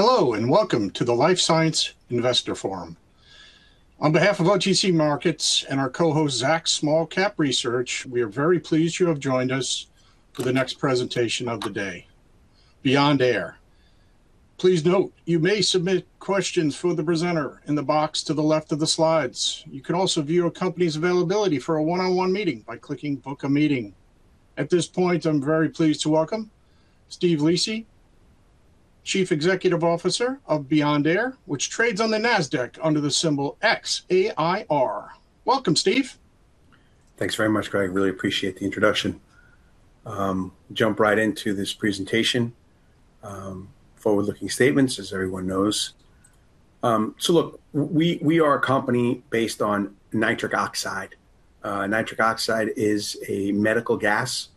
Hello, and welcome to the Life Science Investor Forum. On behalf of OTC Markets and our co-host Zacks Small Cap Research, we are very pleased you have joined us for the next presentation of the day, Beyond Air. Please note you may submit questions for the presenter in the box to the left of the slides. You can also view a company's availability for a one-on-one meeting by clicking Book a Meeting. At this point, I'm very pleased to welcome Steve Lisi, Chief Executive Officer of Beyond Air, which trades on the Nasdaq under the symbol XAIR. Welcome, Steve. Thanks very much, Greg. Really appreciate the introduction. Jump right into this presentation. Forward-looking statements, as everyone knows. Look, we are a company based on nitric oxide. Nitric oxide is a medical gas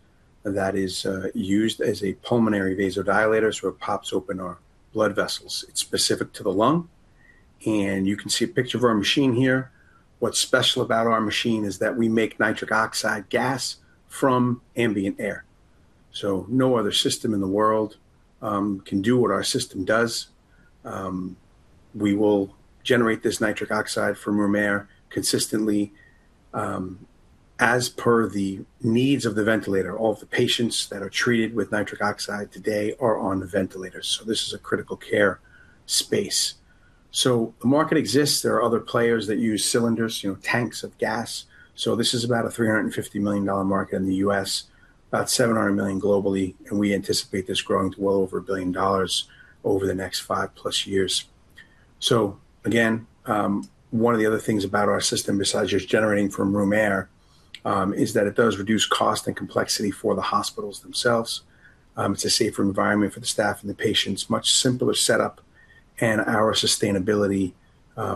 that is used as a pulmonary vasodilator, so it pops open our blood vessels. It's specific to the lung, and you can see a picture of our machine here. What's special about our machine is that we make nitric oxide gas from ambient air. No other system in the world can do what our system does. We will generate this nitric oxide from room air consistently as per the needs of the ventilator. All of the patients that are treated with nitric oxide today are on the ventilator, so this is a critical care space. The market exists. There are other players that use cylinders, you know, tanks of gas. This is about a $350 million market in the US, about $700 million globally, and we anticipate this growing to well over $1 billion over the next 5+ years. Again, one of the other things about our system, besides just generating from room air, is that it does reduce cost and complexity for the hospitals themselves. It's a safer environment for the staff and the patients, much simpler setup, and our sustainability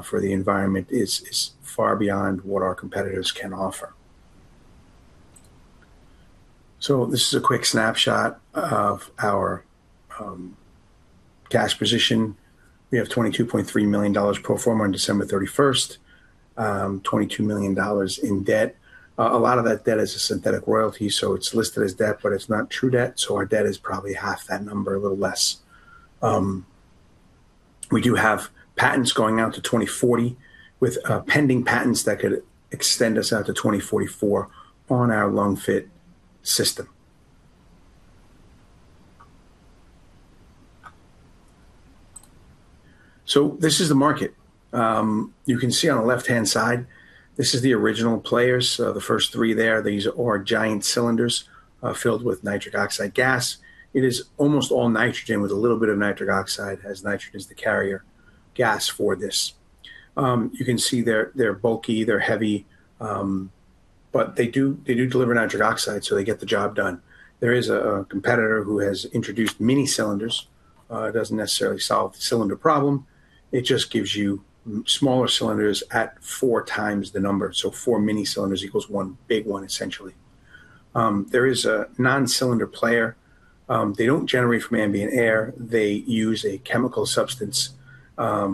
for the environment is far beyond what our competitors can offer. This is a quick snapshot of our cash position. We have $22.3 million pro forma on December 31, $22 million in debt. A lot of that debt is a synthetic royalty, so it's listed as debt, but it's not true debt, so our debt is probably half that number, a little less. We do have patents going out to 2040 with pending patents that could extend us out to 2044 on our LungFit system. This is the market. You can see on the left-hand side, this is the original players. The first three there, these are giant cylinders filled with nitric oxide gas. It is almost all nitrogen with a little bit of nitric oxide, as nitrogen is the carrier gas for this. You can see they're bulky, they're heavy, but they do deliver nitric oxide, so they get the job done. There is a competitor who has introduced mini cylinders. It doesn't necessarily solve the cylinder problem. It just gives you smaller cylinders at four times the number. Four mini cylinders equals one big one, essentially. There is a non-cylinder player. They don't generate from ambient air. They use a chemical substance,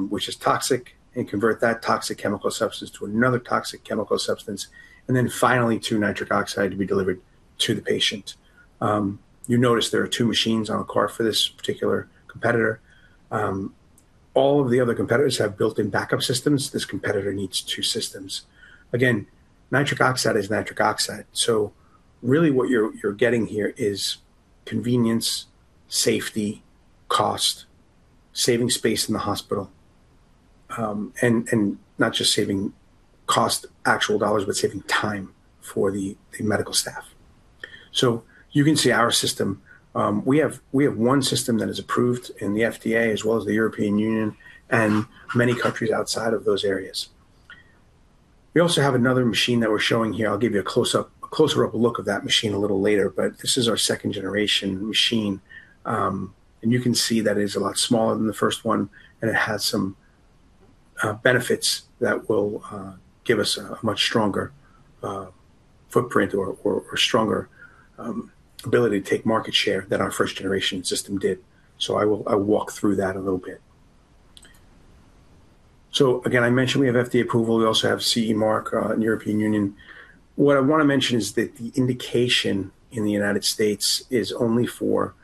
which is toxic, and convert that toxic chemical substance to another toxic chemical substance, and then finally to nitric oxide to be delivered to the patient. You notice there are two machines on a cart for this particular competitor. All of the other competitors have built-in backup systems. This competitor needs two systems. Again, nitric oxide is nitric oxide. Really what you're getting here is convenience, safety, cost, saving space in the hospital, and not just saving cost, actual dollars, but saving time for the medical staff. You can see our system. We have one system that is approved in the FDA as well as the European Union and many countries outside of those areas. We also have another machine that we're showing here. I'll give you a closer up look of that machine a little later, but this is our second-generation machine. You can see that it is a lot smaller than the first one, and it has some benefits that will give us a much stronger footprint or stronger ability to take market share than our first-generation system did. I'll walk through that a little bit. Again, I mentioned we have FDA approval. We also have CE mark in European Union. What I wanna mention is that the indication in the United States is only for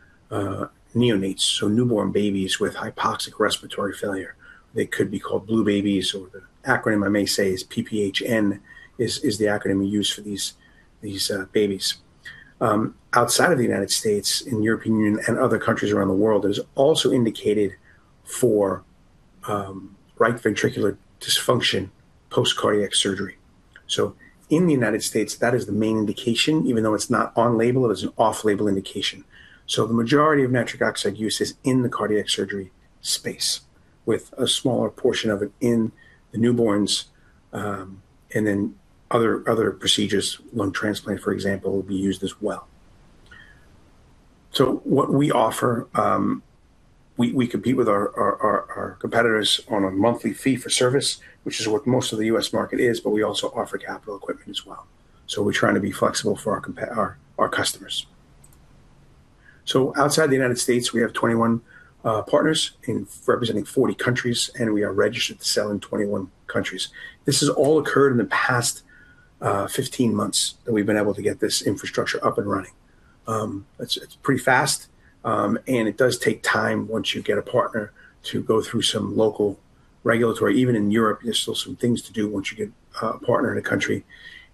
neonates, so newborn babies with hypoxic respiratory failure. They could be called blue babies, or the acronym I may say is PPHN is the acronym we use for these babies. Outside of the United States, in the European Union and other countries around the world, it is also indicated for right ventricular dysfunction post cardiac surgery. In the United States, that is the main indication, even though it's not on label, it is an off-label indication. The majority of nitric oxide use is in the cardiac surgery space with a smaller portion of it in the newborns, and then other procedures. Lung transplant, for example, will be used as well. What we offer, we compete with our competitors on a monthly fee for service, which is what most of the U.S. market is, but we also offer capital equipment as well. We're trying to be flexible for our customers. Outside the United States, we have 21 partners representing 40 countries, and we are registered to sell in 21 countries. This has all occurred in the past 15 months that we've been able to get this infrastructure up and running. It's pretty fast, and it does take time once you get a partner to go through some local regulatory. Even in Europe, there's still some things to do once you get a partner in a country.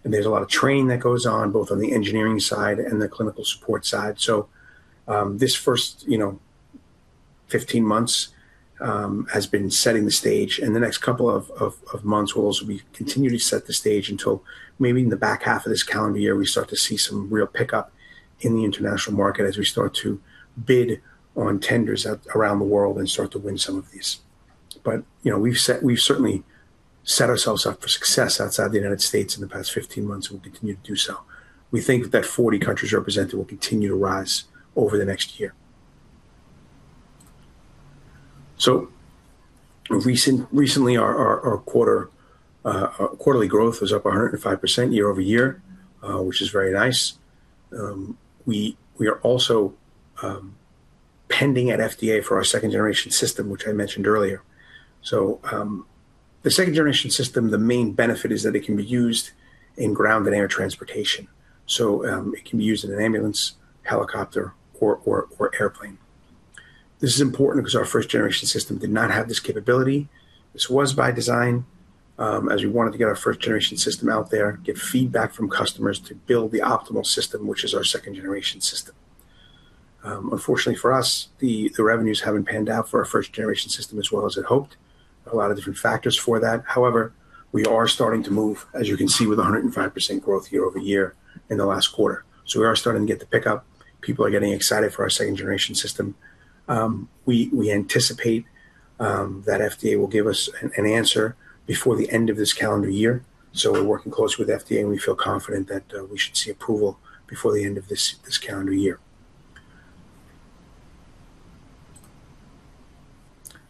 There's a lot of training that goes on, both on the engineering side and the clinical support side. This first, you know, 15 months has been setting the stage, and the next couple of months will also be continuing to set the stage until maybe in the back half of this calendar year we start to see some real pickup in the international market as we start to bid on tenders out around the world and start to win some of these. You know, we've certainly set ourselves up for success outside the United States in the past 15 months and we'll continue to do so. We think that 40 countries represented will continue to rise over the next year. Recently our quarterly growth was up 105% year-over-year, which is very nice. We are also pending at FDA for our second generation system, which I mentioned earlier. The second generation system, the main benefit is that it can be used in ground and air transportation. It can be used in an ambulance, helicopter, or airplane. This is important because our first generation system did not have this capability. This was by design, as we wanted to get our first generation system out there, get feedback from customers to build the optimal system, which is our second generation system. Unfortunately for us, the revenues haven't panned out for our first generation system as well as had hoped. A lot of different factors for that. However, we are starting to move, as you can see, with 105% growth year-over-year in the last quarter. We are starting to get the pickup. People are getting excited for our second-generation system. We anticipate that FDA will give us an answer before the end of this calendar year. We're working closely with FDA, and we feel confident that we should see approval before the end of this calendar year.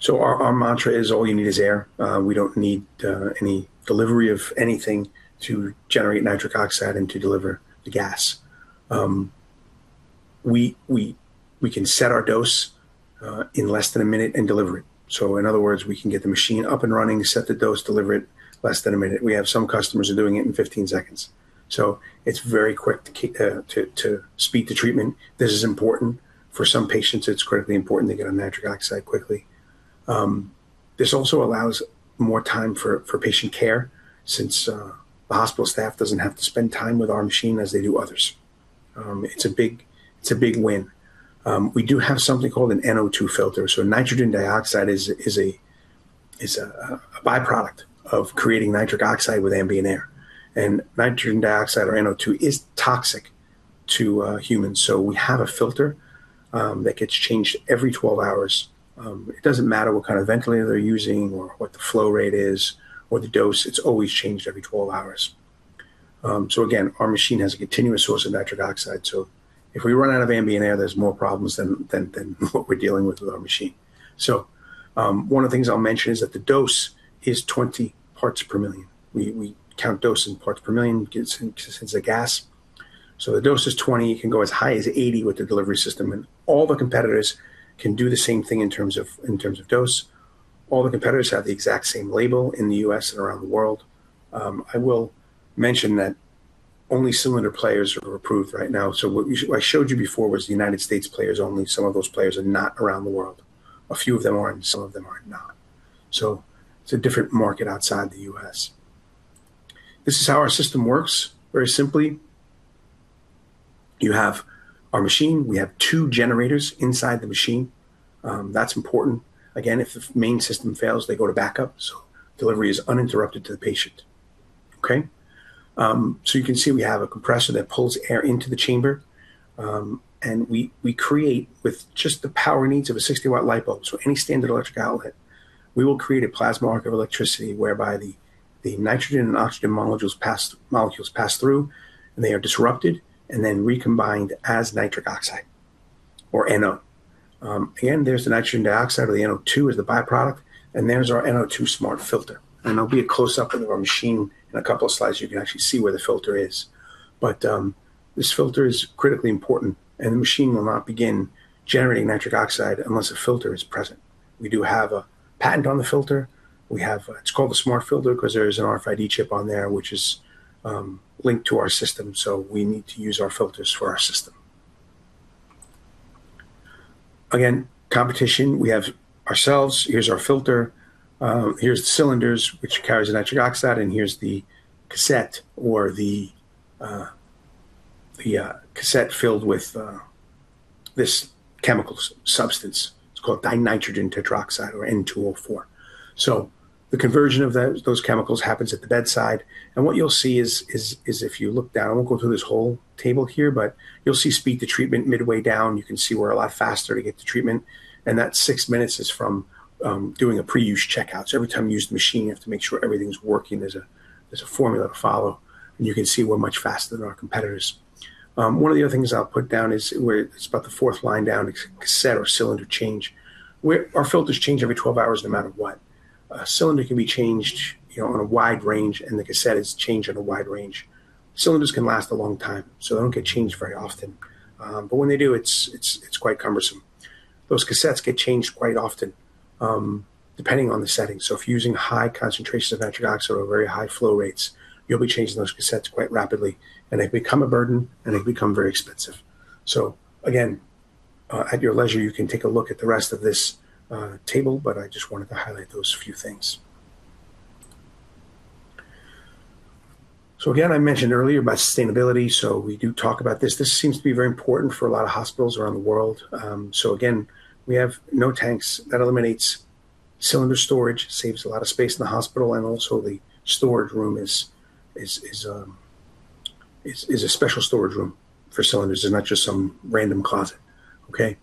Our mantra is all you need is air. We don't need any delivery of anything to generate nitric oxide and to deliver the gas. We can set our dose in less than a minute and deliver it. In other words, we can get the machine up and running, set the dose, deliver it less than a minute. We have some customers are doing it in 15 seconds. It's very quick to speed to treatment. This is important. For some patients, it's critically important they get on nitric oxide quickly. This also allows more time for patient care since the hospital staff doesn't have to spend time with our machine as they do others. It's a big win. We do have something called an NO2 filter. Nitrogen dioxide is a byproduct of creating nitric oxide with ambient air. Nitrogen dioxide or NO2 is toxic to humans. We have a filter that gets changed every 12 hours. It doesn't matter what kind of ventilator they're using or what the flow rate is or the dose, it's always changed every 12 hours. Again, our machine has a continuous source of nitric oxide. If we run out of ambient air, there's more problems than what we're dealing with our machine. One of the things I'll mention is that the dose is 20 parts per million. We count dose in parts per million since it's a gas. The dose is 20. It can go as high as 80 with the delivery system. All the competitors can do the same thing in terms of dose. All the competitors have the exact same label in the U.S. and around the world. I will mention that only cylinder players are approved right now. What I showed you before was the United States players only. Some of those players are not around the world. A few of them are, and some of them are not. It's a different market outside the U.S. This is how our system works, very simply. You have our machine. We have two generators inside the machine. That's important. Again, if the main system fails, they go to backup. Delivery is uninterrupted to the patient. Okay. You can see we have a compressor that pulls air into the chamber, and we create with just the power needs of a 60-watt light bulb, so any standard electrical outlet. We will create a plasma arc of electricity whereby the nitrogen and oxygen molecules pass through, and they are disrupted and then recombined as nitric oxide or NO. Again, there's the nitrogen dioxide or the NO2 is the byproduct, and there's our NO2 Smart Filter. There'll be a close-up of our machine in a couple of slides. You can actually see where the filter is. This filter is critically important, and the machine will not begin generating nitric oxide unless a filter is present. We do have a patent on the filter. It's called the Smart Filter because there is an RFID chip on there, which is linked to our system, so we need to use our filters for our system. Again, competition. We have ourselves. Here's our filter. Here's the cylinders, which carries the nitric oxide, and here's the cassette or the cassette filled with this chemical substance. It's called dinitrogen tetroxide or N2O4. The conversion of those chemicals happens at the bedside. What you'll see is if you look down, I won't go through this whole table here, but you'll see speed to treatment midway down. You can see we're a lot faster to get to treatment. That 6 minutes is from doing a pre-use checkout. Every time you use the machine, you have to make sure everything's working. There's a formula to follow. You can see we're much faster than our competitors. One of the other things I'll put down is where it's about the fourth line down, it's cassette or cylinder change, where our filters change every 12 hours no matter what. A cylinder can be changed, you know, on a wide range, and the cassette is changed on a wide range. Cylinders can last a long time, so they don't get changed very often. When they do, it's quite cumbersome. Those cassettes get changed quite often, depending on the settings. If you're using high concentrations of nitric oxide or very high flow rates, you'll be changing those cassettes quite rapidly, and they become a burden, and they become very expensive. Again, at your leisure, you can take a look at the rest of this table, but I just wanted to highlight those few things. Again, I mentioned earlier about sustainability, so we do talk about this. This seems to be very important for a lot of hospitals around the world. Again, we have no tanks. That eliminates cylinder storage, saves a lot of space in the hospital, and also the storage room is a special storage room for cylinders. It's not just some random closet. Okay.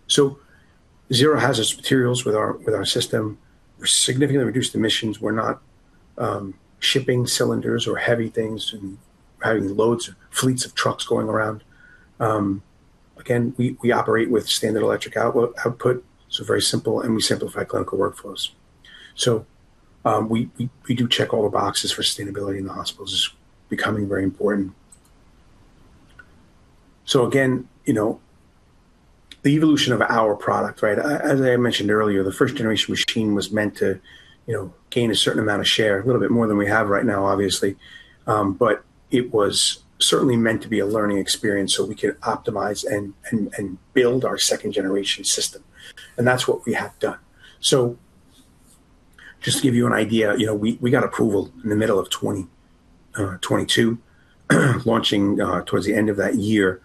Zero hazardous materials with our system. We're significantly reduced emissions. We're not shipping cylinders or heavy things and having loads of fleets of trucks going around. Again, we operate with standard electric output, so very simple, and we simplify clinical workflows. We do check all the boxes for sustainability in the hospitals. It's becoming very important. Again, you know, the evolution of our product, right. As I mentioned earlier, the first generation machine was meant to, you know, gain a certain amount of share, a little bit more than we have right now, obviously. It was certainly meant to be a learning experience, so we could optimize and build our second generation system. That's what we have done. Just to give you an idea, you know, we got approval in the middle of 2022, launching towards the end of that year.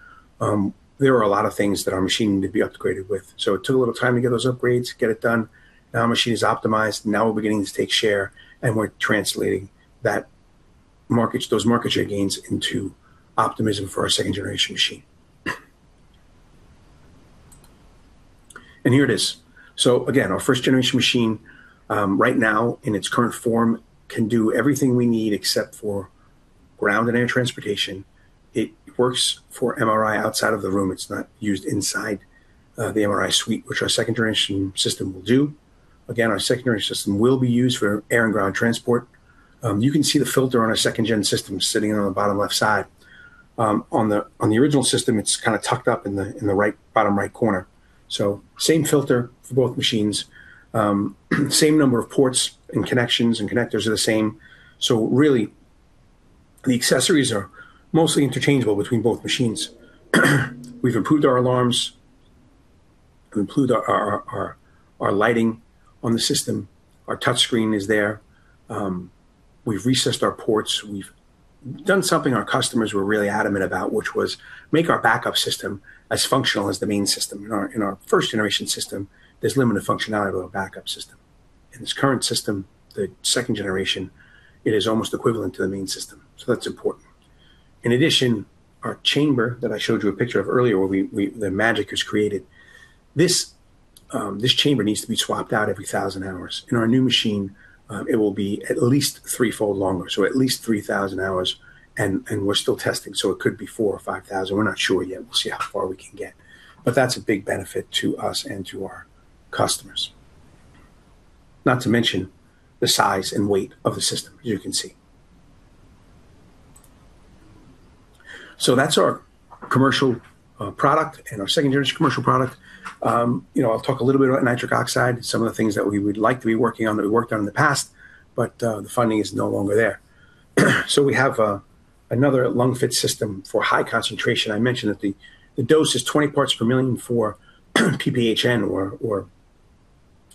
There are a lot of things that our machine needs to be upgraded with. It took a little time to get those upgrades, get it done. Now our machine is optimized. Now we're beginning to take share, and we're translating those market share gains into optimism for our second generation machine. Here it is. Again, our first generation machine, right now in its current form, can do everything we need except for ground and air transportation. It works for MRI outside of the room. It's not used inside the MRI suite, which our second-generation system will do. Again, our second-generation system will be used for air and ground transport. You can see the filter on our second-gen system sitting on the bottom left side. On the original system, it's kinda tucked up in the bottom right corner. Same filter for both machines. Same number of ports and connections and connectors are the same. Really, the accessories are mostly interchangeable between both machines. We've improved our alarms. We've improved our lighting on the system. Our touch screen is there. We've recessed our ports. We've done something our customers were really adamant about, which was make our backup system as functional as the main system. In our first-generation system, there's limited functionality of a backup system. In this current system, the second-generation, it is almost equivalent to the main system. That's important. In addition, our chamber that I showed you a picture of earlier, where the magic is created. This chamber needs to be swapped out every 1,000 hours. In our new machine, it will be at least threefold longer, so at least 3,000 hours, and we're still testing, so it could be 4,000 or 5,000. We're not sure yet. We'll see how far we can get. That's a big benefit to us and to our customers. Not to mention the size and weight of the system, as you can see. That's our commercial product and our second-generation commercial product. You know, I'll talk a little bit about nitric oxide, some of the things that we would like to be working on that we worked on in the past, but the funding is no longer there. We have another LungFit system for high concentration. I mentioned that the dose is 20 parts per million for PPHN or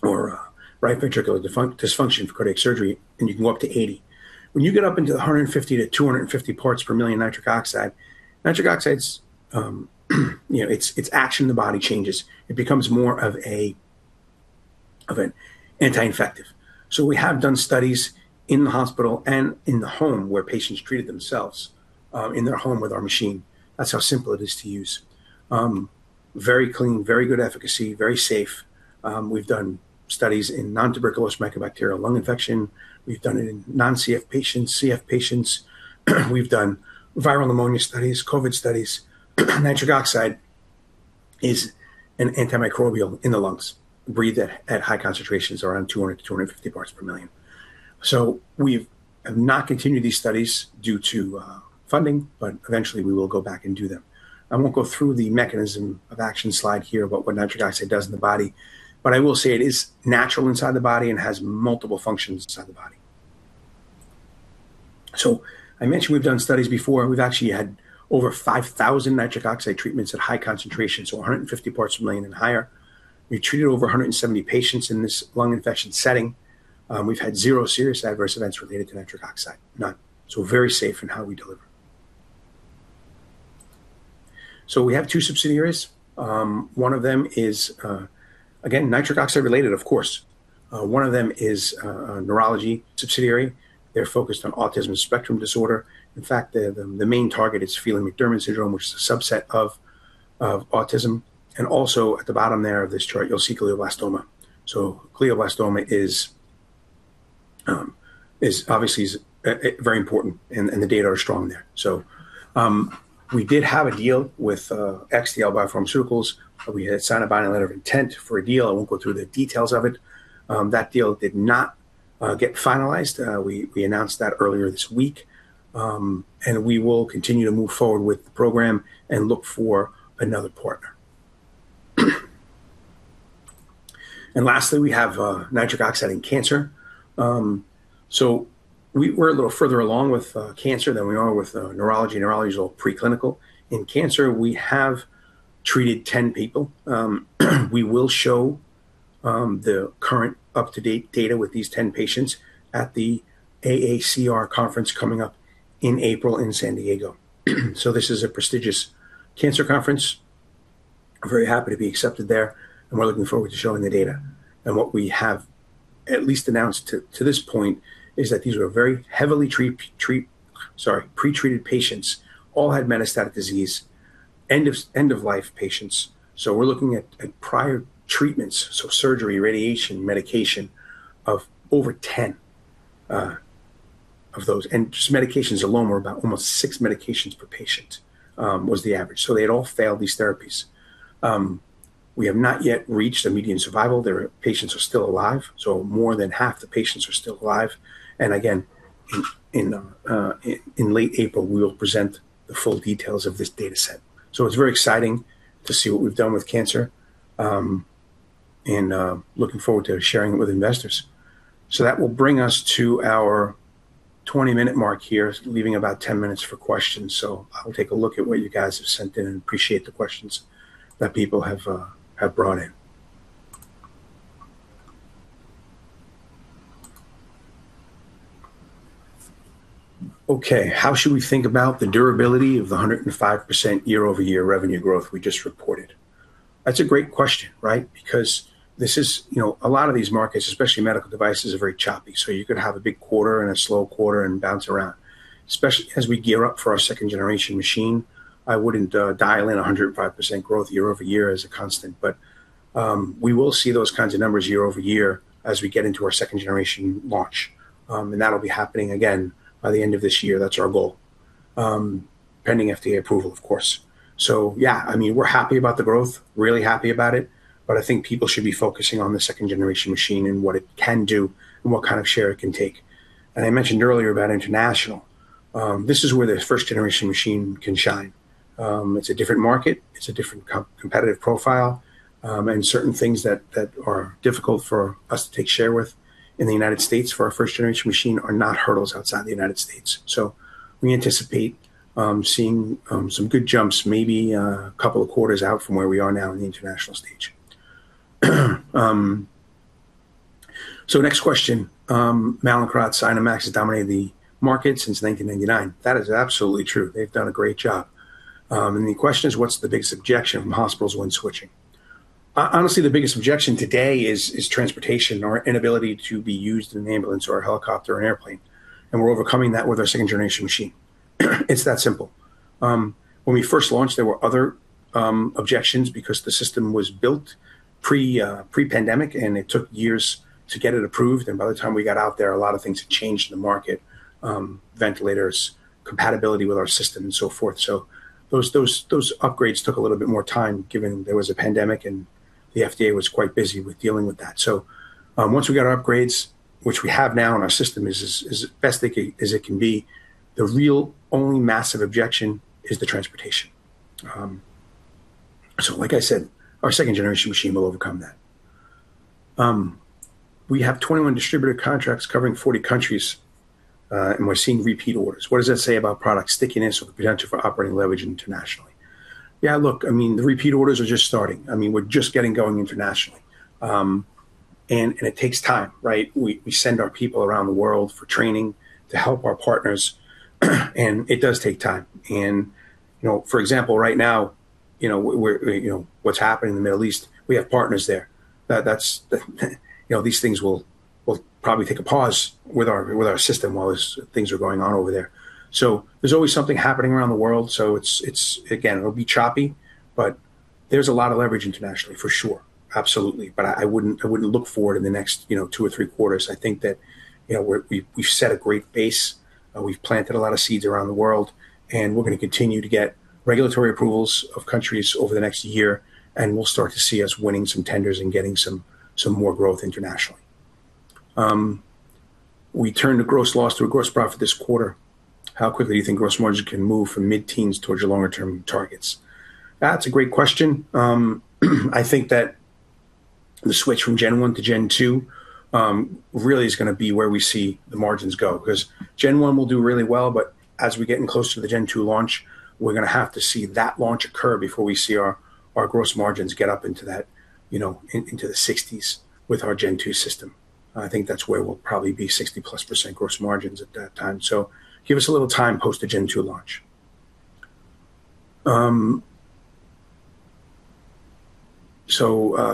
right ventricular dysfunction for cardiac surgery, and you can go up to 80. When you get up into the 150 to 250 parts per million nitric oxide, nitric oxide's you know, its action in the body changes. It becomes more of an anti-infective. We have done studies in the hospital and in the home where patients treated themselves in their home with our machine. That's how simple it is to use. Very clean, very good efficacy, very safe. We've done studies in nontuberculous mycobacterial lung infection. We've done it in non-CF patients, CF patients. We've done viral pneumonia studies, COVID studies. Nitric oxide is an antimicrobial in the lungs. Breathed at high concentrations around 200-250 parts per million. We have not continued these studies due to funding, but eventually we will go back and do them. I won't go through the mechanism of action slide here about what nitric oxide does in the body, but I will say it is natural inside the body and has multiple functions inside the body. I mentioned we've done studies before. We've actually had over 5,000 nitric oxide treatments at high concentrations, so 150 parts per million and higher. We treated over 170 patients in this lung infection setting. We've had zero serious adverse events related to nitric oxide. None. Very safe in how we deliver. We have two subsidiaries. One of them is, again, nitric oxide related, of course. One of them is a neurology subsidiary. They're focused on autism spectrum disorder. In fact, the main target is Phelan-McDermid syndrome, which is a subset of autism. Also at the bottom there of this chart, you'll see glioblastoma. Glioblastoma is obviously very important, and the data are strong there. We did have a deal with XTL Biopharmaceuticals. We had signed a binding letter of intent for a deal. I won't go through the details of it. That deal did not get finalized. We announced that earlier this week. We will continue to move forward with the program and look for another partner. Lastly, we have nitric oxide in cancer. We're a little further along with cancer than we are with neurology. Neurology is all preclinical. In cancer, we have treated 10 people. We will show the current up-to-date data with these 10 patients at the AACR conference coming up in April in San Diego. This is a prestigious cancer conference. We're very happy to be accepted there, and we're looking forward to showing the data. What we have at least announced to this point is that these were very heavily pre-treated patients, all had metastatic disease, end-of-life patients. We're looking at prior treatments, so surgery, radiation, medication, of over 10 of those. Just medications alone were about almost 6 medications per patient was the average. They had all failed these therapies. We have not yet reached a median survival. The patients are still alive. More than half the patients are still alive. Again, in late April, we will present the full details of this data set. It's very exciting to see what we've done with cancer and looking forward to sharing it with investors. That will bring us to our 20-minute mark here, leaving about 10 minutes for questions. I'll take a look at what you guys have sent in and appreciate the questions that people have brought in. Okay. How should we think about the durability of the 105% year-over-year revenue growth we just reported? That's a great question, right? Because this is, you know, a lot of these markets, especially medical devices, are very choppy. You could have a big quarter and a slow quarter and bounce around. Especially as we gear up for our second-generation machine, I wouldn't dial in 105% growth year-over-year as a constant. We will see those kinds of numbers year-over-year as we get into our second-generation launch. That'll be happening again by the end of this year. That's our goal, pending FDA approval, of course. Yeah, I mean, we're happy about the growth, really happy about it. I think people should be focusing on the second-generation machine and what it can do and what kind of share it can take. I mentioned earlier about international. This is where the first-generation machine can shine. It's a different market. It's a different competitive profile. Certain things that are difficult for us to take share with in the United States for our first-generation machine are not hurdles outside the United States. We anticipate seeing some good jumps maybe a couple of quarters out from where we are now in the international stage. Next question. Mallinckrodt's INOmax has dominated the market since 1999. That is absolutely true. They've done a great job. The question is, what's the biggest objection from hospitals when switching? Honestly, the biggest objection today is transportation or inability to be used in an ambulance or a helicopter or an airplane. We're overcoming that with our second-generation machine. It's that simple. When we first launched, there were other objections because the system was built pre-pandemic and it took years to get it approved. By the time we got out there, a lot of things had changed in the market, ventilators, compatibility with our system and so forth. Those upgrades took a little bit more time given there was a pandemic and the FDA was quite busy with dealing with that. Once we got our upgrades, which we have now and our system is as best as it can be, the real only massive objection is the transportation. Like I said, our second-generation machine will overcome that. We have 21 distributor contracts covering 40 countries and we're seeing repeat orders. What does that say about product stickiness or the potential for operating leverage internationally? Yeah, look, I mean, the repeat orders are just starting. I mean, we're just getting going internationally and it takes time, right? We send our people around the world for training to help our partners and it does take time. You know, for example, right now, you know, what's happening in the Middle East, we have partners there. That's, you know, these things will probably take a pause with our system while these things are going on over there. There's always something happening around the world. It's, again, it'll be choppy, but there's a lot of leverage internationally for sure. Absolutely. I wouldn't look for it in the next, you know, two or three quarters. I think that, you know, we've set a great pace. We've planted a lot of seeds around the world and we're going to continue to get regulatory approvals of countries over the next year and we'll start to see us winning some tenders and getting some more growth internationally. We turned a gross loss to a gross profit this quarter. How quickly do you think gross margin can move from mid-teens% towards your longer-term targets? That's a great question. I think that the switch from Gen 1 to Gen 2 really is going to be where we see the margins go because Gen 1 will do really well. But as we're getting close to the Gen 2 launch, we're going to have to see that launch occur before we see our gross margins get up into that, you know, into the 60s% with our Gen 2 system. I think that's where we'll probably be 60+% gross margins at that time. Give us a little time post the Gen 2 launch. A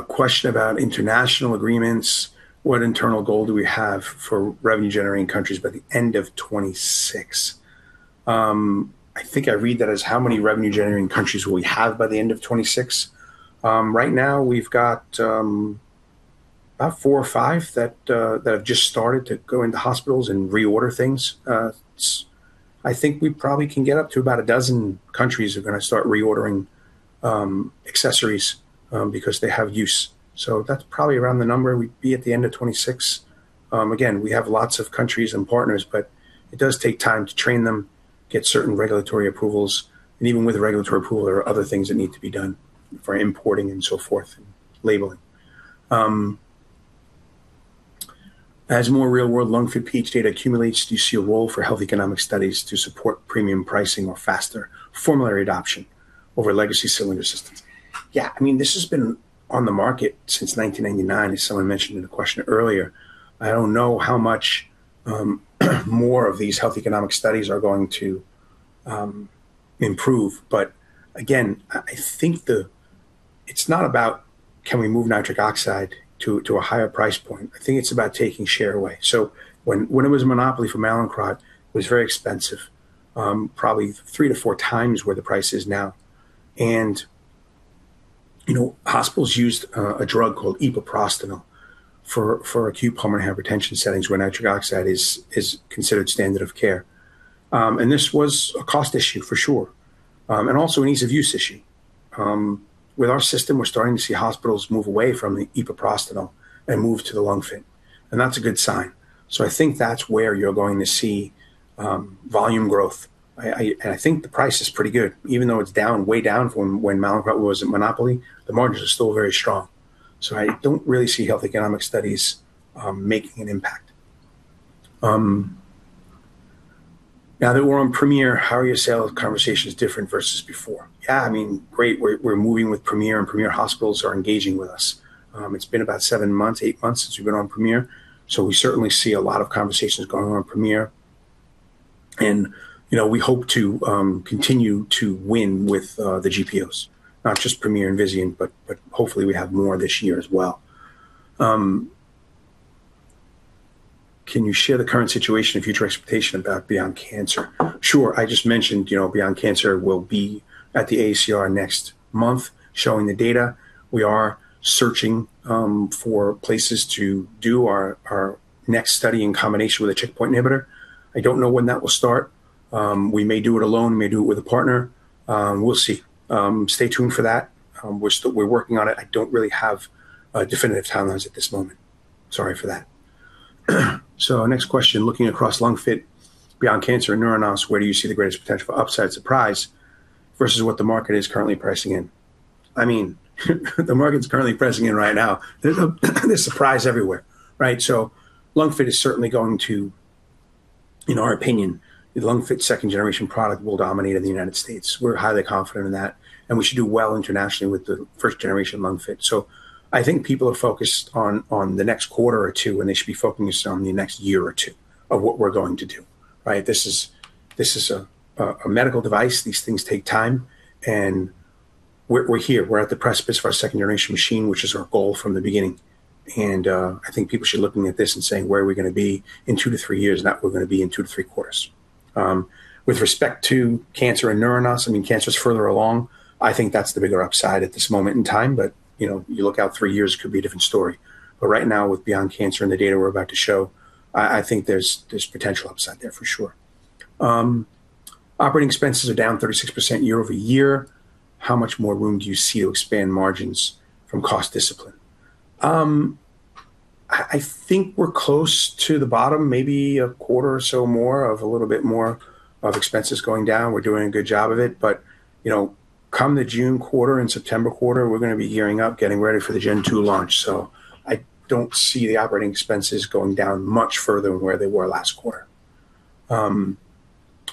question about international agreements. What internal goal do we have for revenue-generating countries by the end of 2026? I think I read that as how many revenue-generating countries will we have by the end of 2026? Right now we've got about 4 or 5 that have just started to go into hospitals and reorder things. I think we probably can get up to about 12 countries are gonna start reordering, accessories, because they have use. So that's probably around the number we'd be at the end of 2026. Again, we have lots of countries and partners, but it does take time to train them, get certain regulatory approvals. Even with a regulatory approval, there are other things that need to be done for importing and so forth, labeling. As more real-world LungFit PH data accumulates, do you see a role for health economic studies to support premium pricing or faster formulary adoption over legacy cylinder systems? Yeah. I mean, this has been on the market since 1989, as someone mentioned in a question earlier. I don't know how much more of these health economic studies are going to improve. Again, I think it's not about can we move nitric oxide to a higher price point. I think it's about taking share away. When it was a monopoly for Mallinckrodt, it was very expensive, probably 3-4 times where the price is now. You know, hospitals used a drug called epoprostenol for acute pulmonary hypertension settings where nitric oxide is considered standard of care. This was a cost issue for sure, and also an ease of use issue. With our system, we're starting to see hospitals move away from the epoprostenol and move to the LungFit, and that's a good sign. I think that's where you're going to see volume growth. I think the price is pretty good. Even though it's down, way down from when Mallinckrodt was a monopoly, the margins are still very strong. I don't really see health economic studies making an impact. Now that we're on Premier, how are your sales conversations different versus before? Yeah, I mean, great. We're moving with Premier, and Premier hospitals are engaging with us. It's been about seven months, eight months since we've been on Premier, so we certainly see a lot of conversations going on with Premier. You know, we hope to continue to win with the GPOs, not just Premier and Vizient, but hopefully we have more this year as well. Can you share the current situation and future expectation about Beyond Cancer? Sure. I just mentioned, you know, Beyond Cancer will be at the AACR next month, showing the data. We are searching for places to do our next study in combination with a checkpoint inhibitor. I don't know when that will start. We may do it alone, may do it with a partner. We'll see. Stay tuned for that. We're working on it. I don't really have definitive timelines at this moment. Sorry for that. Our next question, looking across LungFit, Beyond Cancer, and NeuroNOS, where do you see the greatest potential for upside surprise versus what the market is currently pricing in? I mean, the market's currently pricing in right now. There's surprise everywhere, right? LungFit is certainly in our opinion, the LungFit second-generation product will dominate in the United States. We're highly confident in that, and we should do well internationally with the first-generation LungFit. I think people are focused on the next quarter or two, and they should be focusing on the next year or two of what we're going to do, right? This is a medical device. These things take time, and we're here. We're at the precipice of our second-generation machine, which is our goal from the beginning. I think people should be looking at this and saying, "Where are we gonna be in 2-3 years?" Not, "Where are we gonna be in 2-3 quarters?" With respect to cancer and NeuroNOS, I mean, cancer is further along. I think that's the bigger upside at this moment in time. You know, you look out 3 years, it could be a different story. Right now, with Beyond Cancer and the data we're about to show, I think there's potential upside there for sure. Operating expenses are down 36% year-over-year. How much more room do you see to expand margins from cost discipline? I think we're close to the bottom, maybe a quarter or so more of a little bit more of expenses going down. We're doing a good job of it. You know, come the June quarter and September quarter, we're gonna be gearing up, getting ready for the gen two launch. I don't see the operating expenses going down much further than where they were last quarter. Are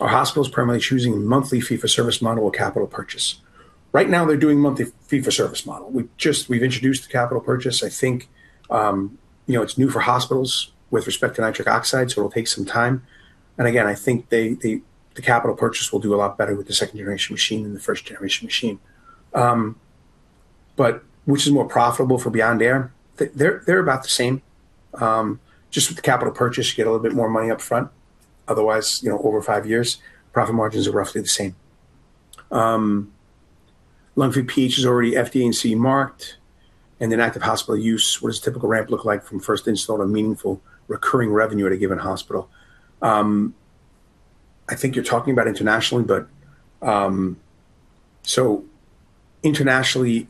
hospitals primarily choosing monthly fee for service model or capital purchase? Right now they're doing monthly fee for service model. We've introduced the capital purchase. I think, you know, it's new for hospitals with respect to nitric oxide, so it'll take some time. Again, I think the capital purchase will do a lot better with the second-generation machine than the first-generation machine. Which is more profitable for Beyond Air? They're about the same. Just with the capital purchase, you get a little bit more money up front. Otherwise, you know, over five years, profit margins are roughly the same. LungFit PH is already FDA and CE marked and in active hospital use. What does a typical ramp look like from first install to meaningful recurring revenue at a given hospital? I think you're talking about internationally, but internationally,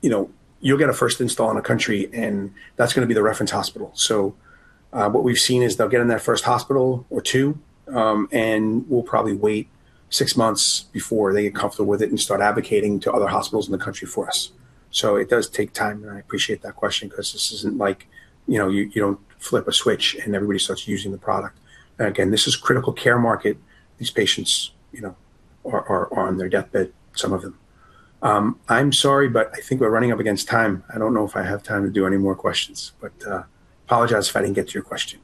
you know, you'll get a first install in a country, and that's gonna be the reference hospital. What we've seen is they'll get in that first hospital or two, and we'll probably wait six months before they get comfortable with it and start advocating to other hospitals in the country for us. It does take time, and I appreciate that question 'cause this isn't like, you know, you don't flip a switch, and everybody starts using the product. Again, this is critical care market. These patients, you know, are on their deathbed, some of them. I'm sorry, but I think we're running up against time. I don't know if I have time to do any more questions, but apologize if I didn't get to your question.